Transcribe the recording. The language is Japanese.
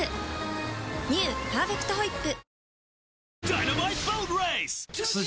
「パーフェクトホイップ」